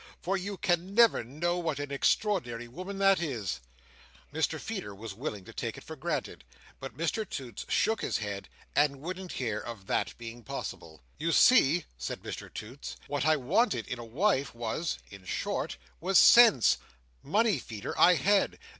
For you can never know what an extraordinary woman that is." Mr Feeder was willing to take it for granted. But Mr Toots shook his head, and wouldn't hear of that being possible. "You see," said Mr Toots, "what I wanted in a wife was—in short, was sense. Money, Feeder, I had.